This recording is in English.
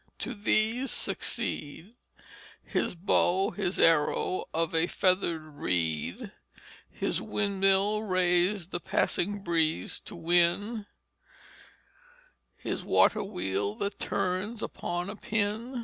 To these succeed His bow, his arrow of a feathered reed, His windmill raised the passing breeze to win, His water wheel that turns upon a pin.